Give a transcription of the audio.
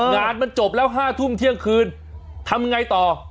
งานมันจบแล้ว๕ทุ่มเที่ยงคืนทำยังไงต่อ